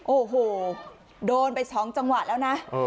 โอ้โหโดนไป๒จังหวะแล้วนะ